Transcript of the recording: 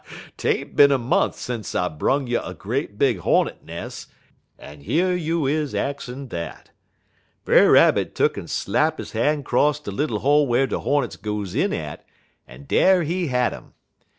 'T ain't bin a mont' sence I brung you a great big hornet nes', en yer you is axin' dat. Brer Rabbit tuck'n slap he han' 'cross de little hole whar de hornets goes in at, en dar he had um.